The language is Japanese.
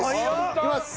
いきます。